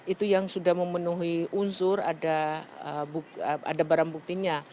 itu yang sudah memenuhi unsur ada barang buktinya